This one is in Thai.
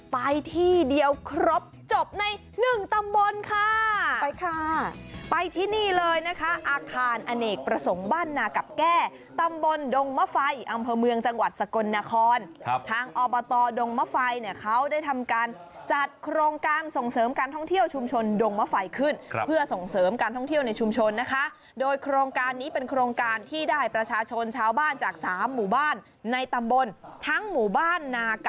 ไปที่เดียวครบจบในหนึ่งตำบลค่ะไปค่ะไปที่นี่เลยนะคะอาคารอเนกประสงค์บ้านนากับแก้ตำบลดงมะไฟอำเภอเมืองจังหวัดสกลนครทางอบตดงมะไฟเนี่ยเขาได้ทำการจัดโครงการส่งเสริมการท่องเที่ยวชุมชนดงมะไฟขึ้นเพื่อส่งเสริมการท่องเที่ยวในชุมชนนะคะโดยโครงการนี้เป็นโครงการที่ได้ประชาชนชาวบ้านจากสามหมู่บ้านในตำบลทั้งหมู่บ้านนาก